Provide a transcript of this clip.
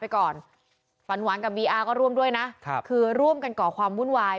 ไปก่อนฝันหวานกับบีอาร์ก็ร่วมด้วยนะคือร่วมกันก่อความวุ่นวาย